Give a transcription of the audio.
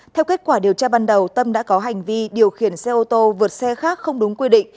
theo kết quả điều tra ban đầu tâm đã có hành vi điều khiển xe ô tô vượt xe khác không đúng quy định